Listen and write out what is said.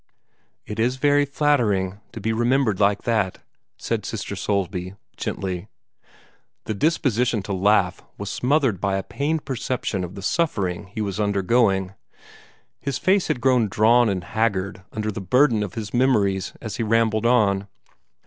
"It is very flattering to be remembered like that," said Sister Soulsby, gently. The disposition to laugh was smothered by a pained perception of the suffering he was undergoing. His face had grown drawn and haggard under the burden of his memories as he rambled on.